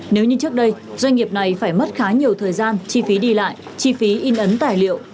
nếu như trước đây doanh nghiệp này phải mất khá nhiều thời gian chi phí đi lại chi phí in ấn tài liệu